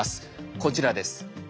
こちらです。